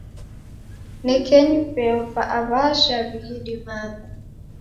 Nekenyi veo kwa aw'ajha wighidimagha.